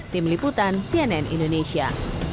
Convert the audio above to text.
tim liputan cnn indonesia